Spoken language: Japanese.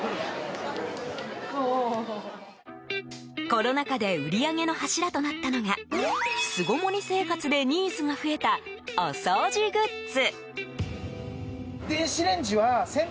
コロナ禍で売り上げの柱となったのが巣ごもり生活でニーズが増えたお掃除グッズ！